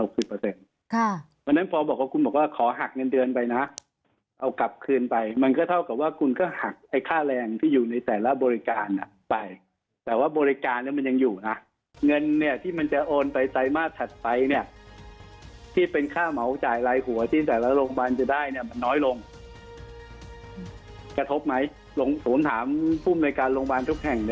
กระทบไหมสนถามภูมิในการโรงพยาบาลทุกแห่ง